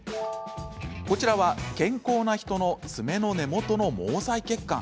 こちらは健康な人の爪の根元の毛細血管。